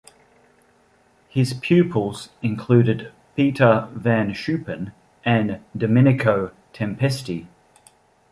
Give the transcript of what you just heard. His pupils included Pieter van Schuppen and Domenico Tempesti.